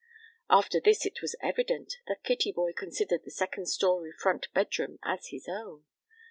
After this it was evident that Kittyboy considered the second story front bedroom as his own.